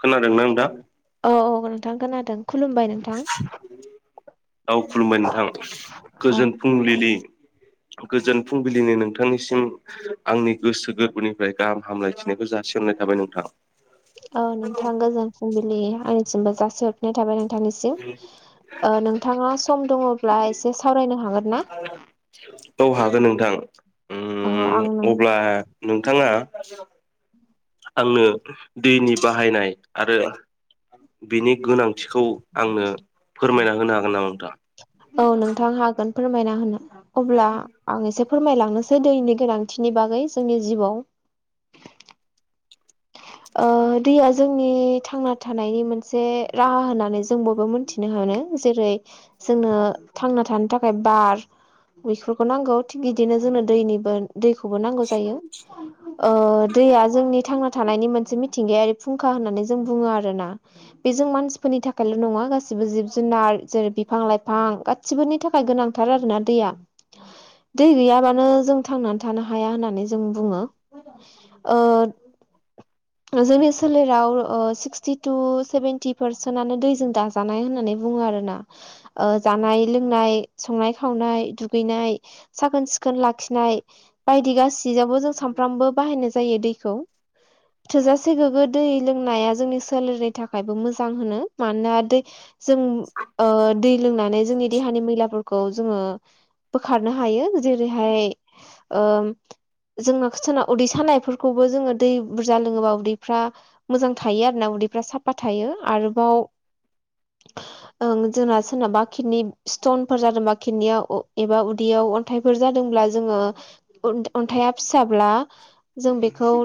खोनादों ना नोंथा औ औ नोंथां खोनादों खुलुमबाय नोंथां राव खुलुमबाय नोंथां औ गोजोन फुंबिलिनि गोजोन फुंबिलिनि नोंथांनिसिम आंनि गोसो गोरबोनिफ्राय गाहाम हामलायथिनायखौ जासिहननाय थाबाय नोंथां औ नोंथां गोजोन फुंबिलि आंनिसिमबो जाासो हर नाय थाबाय नोंथांनिसिम नोंथाङा सम दङब्ला एसे सावरायनो हागोन ना औ हागोन नोंथां औ आं नों अब्ला ओ नोंथाङा आङो दैनि बाहायनाय आरो बिनि गोनांथिखौ आंनो फोरमायना होनो हागोन नामा नोंथाङा औ नोंथां हागोन फोरमायना होनो अब्ला आं एसे फोरमायलांनोसै दैनि गोनांथिनि बागै जोंनि जिउआव ओ दैया जोंनि थांना थानायनि मोनसे राहा होननानै जों बयबो मोनथि नो हानो जेरै जोंनो थांना थानो थाख बार बेफोरखौ नांगौ थिग बिदिनो जोंनो दैनिबो दैखौबो नांगौ जायो ओ दैया जोंनि थांना थानायनि मोनसे मिथिंगायारि फुंखा होननानै जों बुङो आरो ना बे जों मानसिफोरनि थाखायल' नङा गासिबो जिब जुनार जेरै बिफां-लाइफां गा गसिबोनि थाखाय गोनांथार आरो ना दैया दै गैयाबानो जों थांनानै थानो हाया होननानै जों बुङो ओ जोंनि सोलेराव ओ सिक्सटि टु सेभेन्टि पारसेन्टनो दैजों दा जानाय होननानै बुङो आरो ना ओ जानाय लोंनाय संनाय खावनाय दुगैनाय साखोन सिखोन लाखिनाय बायदि गाससियावबो जों सानफ्रामबो बाहायनाय जायो दैखौ थोजासे गोग्गो दै लोंनाया जोंनि सोलेरनि थाखायबो मोजां होनो मानोना दै जों ओ दै लोंनानै जोंनि देहानि मैलाफोरखौ जोङो बोखारनो हायो जेरैहाय ओ जोङो [unintelligible] उदै सानायफोरखौबो जोङो दै बुरजा लोङोबा उदैफ्रा मोजां थायो आरो ना उदैफ्रा साफा थायो आरोबाव [inaudible] ओं जोंना सोरनाबा किडनि स्टनफोर जादोंबा किडनियाव एबा उदैयाव अन्थाइफोर जादोंब्ला जोङो अन अन्थाइया फिसाब्ला जों बेखौ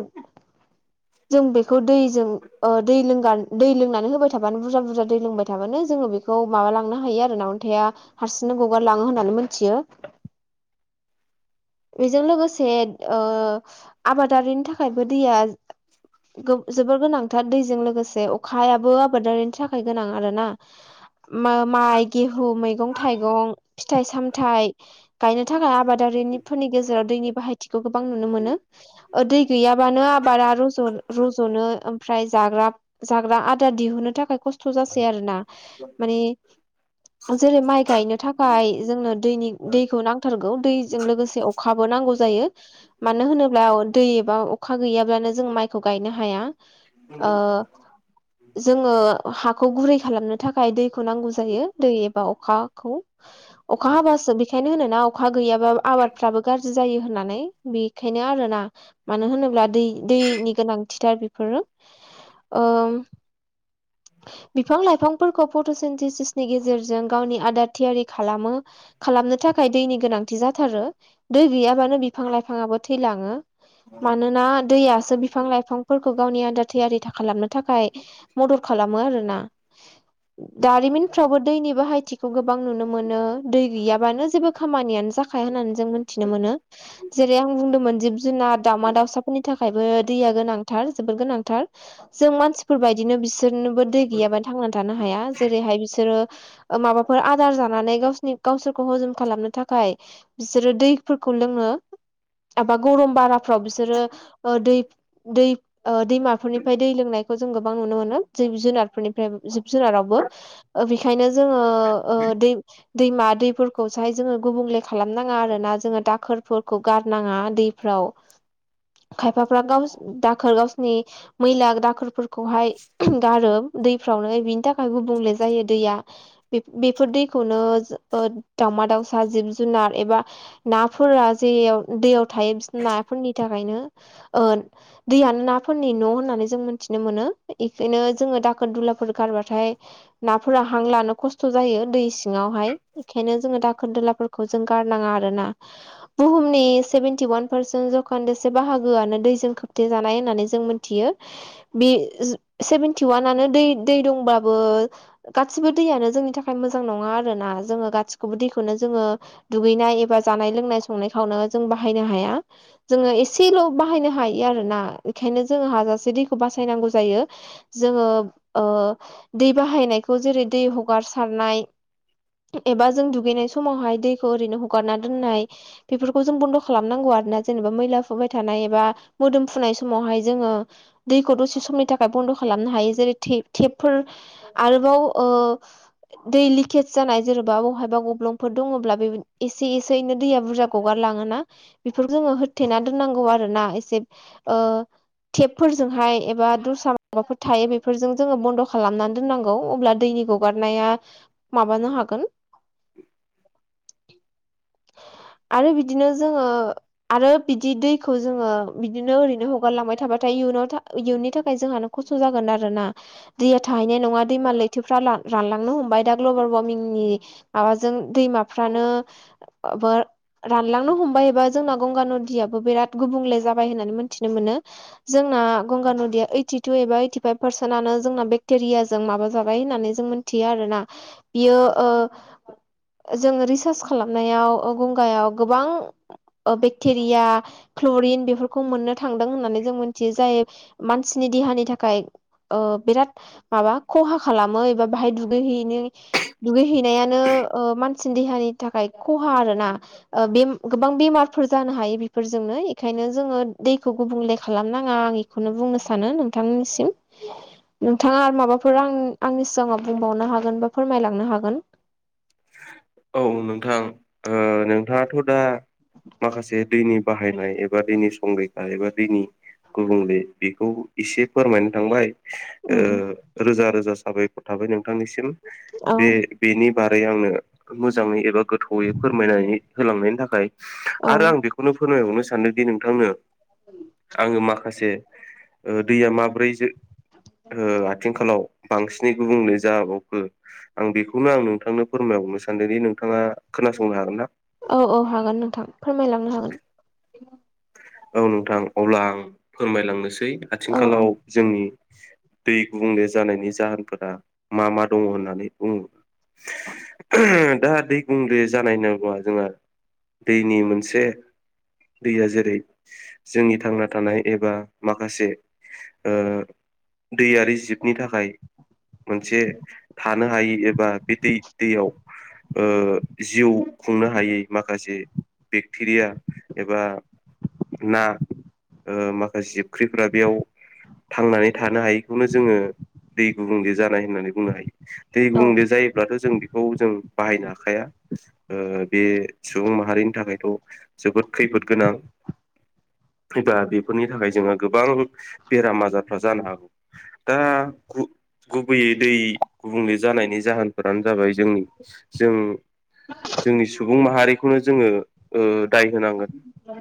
जों बेखौ दैजों ओ दै लोंगान दै लोंनानै होबाय थाबानो बुरजा बुरजा दै लोंबाय थाबानो जोङो बेखौ माबा लांनो हायो आरो ना अन्थाया हारसिंनो गगारलाङो होननानै मोनथियो बेजों लोगोसे ओ आबादारिनि थाखायबो दैया खो जोबोर गोनांथार दैजों लोगोसे अखायाबो आबादारिनि थाखाय गोनां आरो ना मा माइ गेहु मैगं-थाइगं, फिथाइ-सामथाइ गायनो थाखाय आबादारिनिफोरनि गेजेराव दैनि बाहायथिखौ गोबां नुनो मोनो ओ दै गैयाबानो आबादा रज' रज'नो ओमफ्राय जाग्रा जाग्रा आदार दिहुनो थाखाय खस्थ' जासै आरो ना माने जेरै माइ गायनो थाखाय जोंनो दैनि दैखौ नांथारगौ दैजों लोगोसे [unintelligible] अखाबो नांगौ जायो मानो होनोब्ला दै एबा अखा गैयाब्लानो जों माइखौ गायनो हाया ओ [inaudible] जोङो हाखौ गुरै खालामनो थाखाय दैखौ नांगौ जायो दै एबा अखाखौ अखा हाबासो बेखायनो होनोना अखा गैयाबा आबाद फ्राबो गाज्रि जायो होननानै बेखायनो आरोना मानो होनोब्ला दै दैनि गोनांथिथार बेफोरो ओम [inaudible] बिफां लाइफांफोरखौ फट'सेन्टिसिसनि गेजेरजों गावनि आदार थियारि खालामो खालामनो थाखाय दैनि गोनांथि जाथारो दै गैयाबानो बिफां लाइफाङाबो थैलाङो मानोना दैयासो बि बिफां लाइफांफोरखौ गावनि आदार थैयारि था खालामनो थाखाय मदद खालामो आरोना दारिमिनफ्राबो दैनि बाहायथि खौ गोबां नुनो मोनो दै गैयाबानो जेबो खामानियानो जाखाया होननानै जों मोनथिनो मोनो जेरै आं बुंदोंमोन जिब जुनार दावउमा दावउसा फोरनि थाखायबो दैया गोनांथार जोबोर गोनांथार जों मानसिफोर बायदिनो बिसोरनिबो दै गैयाबा थांनानै थानो हाया जेरैहाय बिसोरो माबाफोर आदार जानानै गावसिनि गावसोरखौ हजम खालामनो थाखाय बिसोरो दैफोरखौ लोङो एबा गरम बाराफ्राव बिसोरो ओ दै दै दैमाफोरनिफ्राय दै लोंनायखौ जों गोबां नुनो मोनो जिब जुनारफोरनिफ्राय जिब जुनारावबो बेखायनो जोङो दै दैमा दैफोरखौसोहाय जोङो गुबुंले खालाम खालामनााङा आरो ना जोङो दाखोरफोरखौ गारनाङा दैफ्राव खायफाफ्रा गाव दाखोर गावसिोरनि मैला दाखोर खौहाय गारो दैफ्रावनो बिनि थाखाय गुबुंले जायो दैया बेफोर दैखौनो दाावमा दाउसा जिब जुनार एबा नाफोरा जेयाव दैयाव थायो बिस नाफोरनि थाखायनो दैयानो नाफोरनि न' होननानै जों मोनथिनो मोनो बेखायनो जोङो दाखोर दुलाफोर गारबाथाय नाफोरा हां लानो खस्थ' जायो दै सिङावहाय बेखायनो जोङो दाखोर दालाफोरखौ जों गारनाङा आरोना बुहुमनि सेभेेनटि वान पारसेन्ट जखानदसे बाहागोआनो दैजों खोबथे जानाय होननानै जों यो बे सेभेेनटि वाननो दै दै दंबाबबो गासिबो दैयानो जोंनि थाखाय मोजां नङा आरो ना जोङो गासिखौबो दैखौनो जोङो दुगैनाय एबा जानाय लोंनाय संनायखौावनो जों बाहायनो हाया। जोङो एसेल' बाहायनो हायो आरोोना बेखायनो जोङो हाजासे दैखौ बासायनांगौ जायो जोङो दै बाहायनायखौ जेरै दै हगारसारनाय एबा जों दुगैनाय समावहाय दैखौ ओरैनो हगारना दोननाय बेफोरखौ जों बन्द' खालामनांगौ आरोना जेनेबा मैला फुबाय थानाय एबा मोदोम फुनाय समावहाय जोङो दैखौ दसे समनि थाखाय बन्द' खालामनो हायो जेरै टेपफोर आरोबाव दै लिकेज जानाय जेन'बा बहायबा गब्लंफोर दङब्ला एसे एसे एननो दैया बुरजाखौगारलाङोना बेफोरखौ जोङो होथेना दोननांगौ आरोोना एसे टेपफोरजोंहाय एबा दस्रा माबाफोर थायो बेफोरजों जोङो बन्द' खालामनानै दोननांगौ अब्ला दैनि ग हगारनाया माबानो हागोन आरो बिदिनो जोङो आरो बिदि दैखौ जोङो बिदिनो ओरैनो हगारलांबाय थाबाथाय इयुनाव इयुननि थाखाय जोंह न खस्थ' जागोन आरोना दैया थाहैनाय नङा दैमाल लैथोफ्रा रानलांनो हमबाय दा ग्लबेल वार्मिंनि माबाजों दैमाफ्रानो ब रानलांनो हमबाय एबा जोंना गंगा नदियाबबो बिराद गुबुंले जाबाय होननानै मोनथिनो मोनो जोंना गंगा नदिया ओइटि टु एबा ओइटि फाइभ पारसेन्टआनो जोंना बेक्टेरिया जों माबा जाबाय होननानै जों थ आरोना बियो ओ जोङो रिसार्च खालामनायाव गंगायाव गोबां बेक्टेरिया क्ल'रिन बेफोरखौ मोननो थांदों होननानै जों मिथियो जायो। मानसिनि देहानि थाखाय बिराद माबा खहा खालामो एबा बाहाय दुगैहैनो दुगैहैनायानो मानसिनि देहानि थाखाय खहा आरो ना। बे गोबां बेमारफोर जानो हायो बेफोरजोंनो बेखायनो जोङो दैखौ गुबुंले खालामनााङा आं बेखौनो बुंनो सानो नोंथांमोनसिम नोंथाङा आरो माबाफोर आं आंनि सिगाङाव बुंबावनो हागोन बा फोरमायलांनो हागोन औ नोंथां नोंथाङाथ' दा माखासे दैनि बाहायनाय एबा दैनि संरैखा एबा दैनि गुबुंले बेखौ एसे फोरमायनो थांबाय उम उम रोजा रोजा साबायखर थाबाय नोंथांनिसिम औ बे बेनि बार आंनो मोजाङै एबा गोथौै फोरमायनानै होलांनायनि थाखाय औ आरो आं बेखौ बेखौनो फोरमायहरनो सानदोंदि नोंथांनो आङो माखासे दैया माब्रै आथिंखालाव बांसिनै गुबुंले जाबावखो आं बेखौनो आं नोंथांनो फोरमायहरनो सानदोंदि नोंथाङा खोनासंनो हागोन ना औ औ हागोन नोंथां फोरमायलांनो हागोन औ नोंथां अब्ला आं फोरमायलांनोसै औ औ आथिंखालाव जोंनि दै गुबुंले जानायनि जाहोनफोरा मा मा दङ होननानै बुङो दा दै बुंले जानाय नांगौ जोंहा दैनि मोनसे दैया जेरै जोंनि थांना थानाय एबा माखासे दैयारि जिबनि थाखाय मोनसे थानो हायि एबा बे दै दैयाव जिउ खुंनो हायै माखासे बेक्टेरिया एबा ना माखासे जिबख्रिफोरा बेयाव थांनानै थानो हायैखौनो जोङो दै गुबुंले जानाय होननानै बुंनो हायो दै औ गुबुंले जायोब्लाथ' जों बेखौ जों बाहायनो हाखाया बे सुबुं माहारिनि थाखायथ' जोबोद खैफोद गोनां एबा बेफोरनि थाखाय जोङो गोबां बेराम आजारफ्रा जानो हागौ दा खु गुबैयै दै गुबुंले जानायनि जाहोनफोरानो जाबाय जोंनि जों जोंनि सुबुं माहारिखौनो जोङो दाय होनांगोन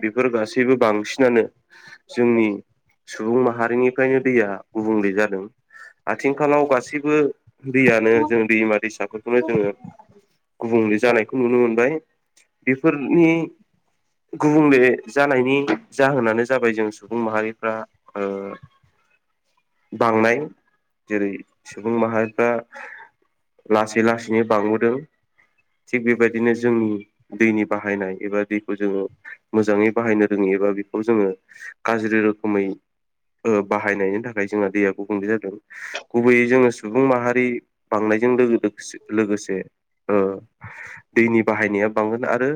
बेफोर गासैबो बांसिन जोंनि सुबुं माहारिनिफ्रायनो दैया गुबुंले जादों आथिंखालाव गासैबो दैयानो जों दैमा दैसाफोरखौनो जोङो गुबुंले जानायखौ नुनो मोनबाय बेफोरनि गुबुंले जानायनि जाहोनानो जाबाय जों सुबुं माहारिफ्रा बांनाय जेरै सुबुं माहारिफ्रा लासै लासै बांबोदों थिग बेबायदिनो जोंनि दैनि बाहायनाय एबा दैखौ जोङो मोजाङै बाहायनो रोङोबा बेखौ जोङो गाज्रि रोखोमै बाहायनायनि थाखाय जोंहा दैया गुबुंले जादों गुबैयै जोङो सुबुं माहारि बांनायजों लोगोसे दैनि बाहायनाया बांगोन आरो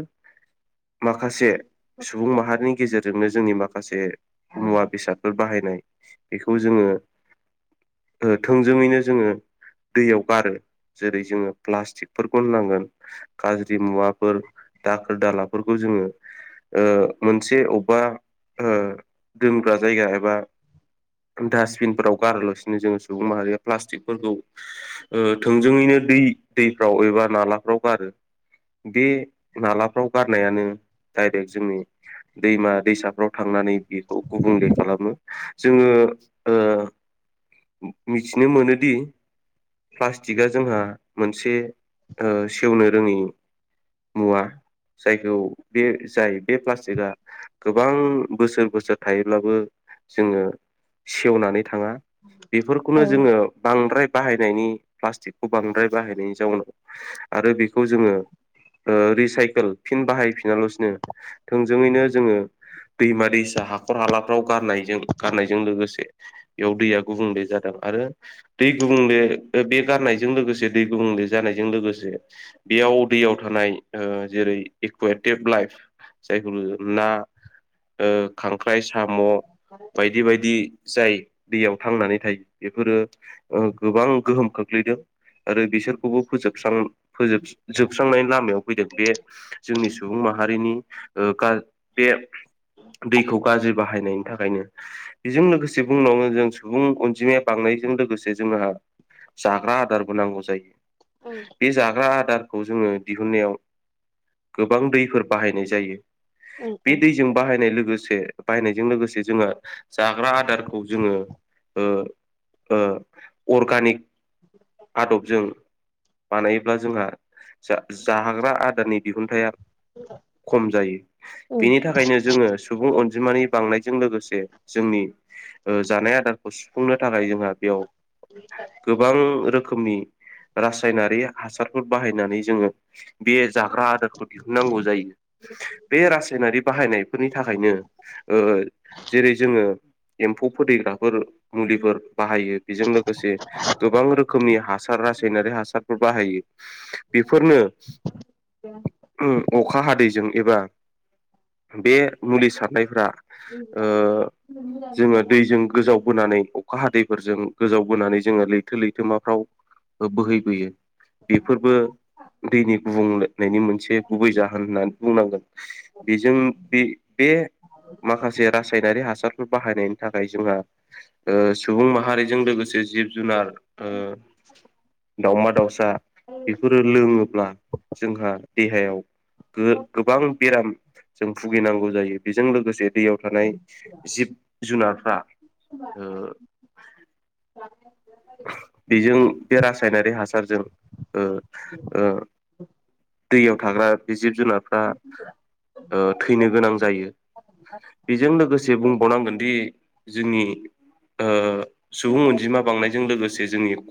माखासे सुबुं माहारिनि गेजेरजोंनो जोंनि माखासे मुवा बेसादफोर बाहायनाय बेखौ जोङो थोंजोङैनो जोङो दैयाव गारो जेरै जोङो प्लास्टिकफोरखौ होननांगोन गाज्रि मुवाफोर दाखोर दालाफोरखौ जोङो मोनसे अबेबा दोनग्रा जायगा एबा डास्टबिनफोराव गारलासिनो जोङो सुबुं माहारिया प्लास्टिकफोरखौ थोंजोङैनो दै दैफ्राव एबा नालाफ्राव गारो बे नालाफ्राव गारनायानो डाइरेक्ट जोंनि दैमा दैसाफ्राव थांनानै बेखौ गुबुंले खालामो जोङो मिथिनो मोनोदि प्लास्टिकआ जोंहा मोनसे सेवनो रोङि मुवा जायखौ बे जायो बे प्लास्टिकआ गोबां बोसोर बोसोर थायोब्लाबो जोङो सेवनानै थाङा बेफोरखौनो औ जोङो बांद्राय बाहायनायनि प्लास्टिकखौ बांद्राय बाहायनायनि जाउनाव आरो बेखौ जोङो रिसाइकोल फिन बाहायफिनाल'सिनो थोंजोङैनो जोङो दैमा दैसा हाखर हालाफ्राव गारनायजों गारनायजों लोगोसे बेयाव दैया गुबुंले जादों आरो दै गुबुंले बे गाननायजों लोगोसे दै गुबुंले जानायजों लोगोसे बेयाव दैयाव थानाय जेरै एकुवेड जायखौ ना खांख्राइ साम' बाय बेबायदि जाय दैयाव थांनानै थायो बेफोरो गोबां गोहोम खोख्लैदों आरो बिसोर खौ जोबस्रांनायनि लामायाव फैदों बे जोंनि सुबुं माहारिनि बे दैखौ गाज्रि बाहायनायनि थाखायनो बेजों लोगोसे बुंनावो जों सुबुं अनजिमाया बांनायजों लोगोसे जोंहा जाग्रा आदारबो नांगौ जायो बे जाग्रा आदारखौ जोङो दिहुननायाव गोबां दैफोर बाहायनाय जायो बे दैजों बाहायनाय लोगोसे बाहायनायजों लोगोसे जोंहा जाग्रा आदारखौ जोङो अर्गानिक आदबजों बानायोब्ला जोंहा जा जाहाग्रा आदारनि दिहुनथाया खम जायो बेनि थाखायनो जोङो सुबुं अनजिमानि बांनायजों लोगोसे जोंनि जानाय आदारखौ सुफुंनो थाखाय जोंहा बेयाव गोबां रोखोमनि रासायनारि हासारफोर बाहायनानै जोङो बे जाग्रा आदारखौ दिहुननांगौ जायो बे रासायनारि बाहायनायफोरनि थाखायनो जेरै जोङो एम्फौ फोदैग्राफोर मुलिफोर बाहायो बेजों लोगोसे गोबां रोखोमनि हासार रासायनारि हासारफोर बाहायो बेफोरनो द अखा हादैजों एबा बे मुलि सारनायफ्रा जोङो दैजों गोजाव बोनानै अखा हादैफोरजों गोजाव बोनानै जोङो लैथो लैथोमाफ्राव बोहैबोयो बेफोरबो दैनि गुबुंलनायनि मोनसे गुबै जाहोन होननानै बुंनांगोन बेजों बे बे माखासे रासायनारि हासारफोर बाहायनायनि थाखाय जोंहा ओ सुबुं माहारिजों लोगोसे जिब जुनार ओ दाउमा दाउसा बेफोरो लोङोब्ला जोंहा देहायाव गोबां बेराम जों भुगिनांगौ जायो बेजों लोगोसे दैयाव थानाय जिब जुनारफ्रा ज बेजों बे रासायनारि हासारजों दैयाव थाग्रा बे जिब जुनारफ्रा थैनो गोनां जायो बेजों लोगोसे बुंबावनांगोनदि जोंनि सुबुं अनजिमा बांनायजों लोगोसे जोंनि